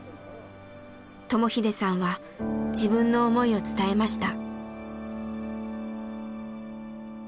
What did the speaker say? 智英さんは自分の思いを伝えました。